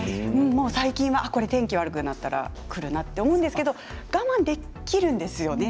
最近はこれで一度悪くなったらくるなと思うんですけれど我慢できるんですよ。